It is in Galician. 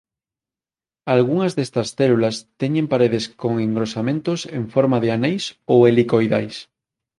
Algunhas destas células teñen paredes con engrosamentos en forma de aneis ou helicoidais.